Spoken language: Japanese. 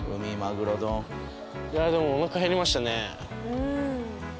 いやでもおなか減りましたね。